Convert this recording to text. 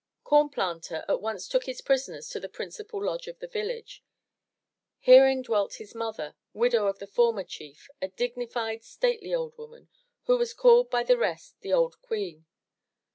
Corn Planter at once took his prisoners to the principal lodge of the village. Herein dwelt his mother, widow of the former chief, a dignified, stately old woman, who was called by the rest the Old Queen.